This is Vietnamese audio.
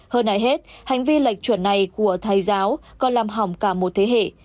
hơn ai hết hành vi lệch chuẩn này của thầy giáo còn làm hỏng cả một thế hệ